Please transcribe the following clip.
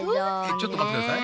ちょっとまってください。